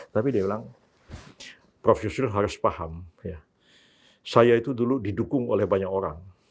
tapi dia bilang prof yusril harus paham saya itu dulu didukung oleh banyak orang